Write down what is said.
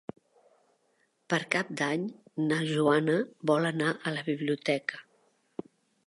Per Cap d'Any na Joana vol anar a la biblioteca.